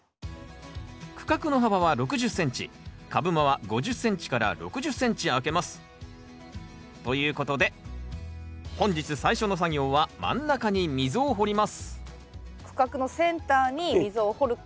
区画の幅は６０ｃｍ株間は５０ｃｍ６０ｃｍ空けます。ということで本日最初の作業は真ん中に溝を掘ります区画のそうですね。